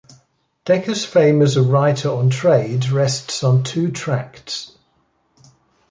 Decker's fame as a writer on trade rests on two tracts.